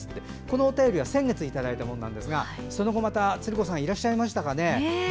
このお便りは先月いただいたんですがその後またつる子さんいらっしゃいましたかね。